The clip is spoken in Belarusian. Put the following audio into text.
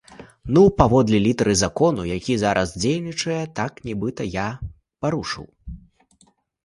Ну, паводле літары закону, які зараз дзейнічае, так, нібыта я парушыў.